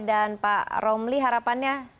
dan pak romli harapannya